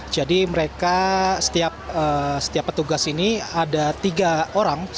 jadi mereka setiap petugas ini ada tiga orang